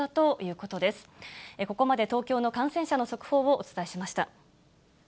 ここまで、東京の感染者の速報をお伝えしました。